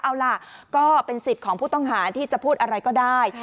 เอาล่ะก็เป็นสิทธิ์ของผู้ต้องหาที่จะพูดอะไรก็ได้